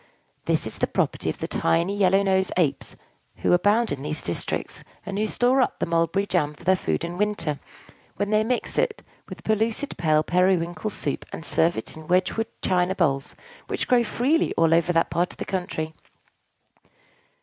This is the property of the tiny, yellow nosed Apes who abound in these districts, and who store up the mulberry jam for their food in winter, when they mix it with pellucid pale periwinkle soup, and serve it out in wedgewood china bowls, which grow freely all over that part of the country.